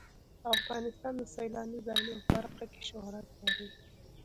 افغانستان د سیلاني ځایونو په برخه کې شهرت لري.